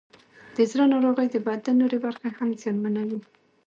د زړه ناروغۍ د بدن نورې برخې هم زیانمنوي.